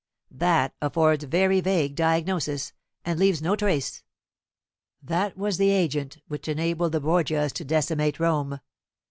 That affords very vague diagnosis, and leaves no trace. That was the agent which enabled the Borgias to decimate Rome.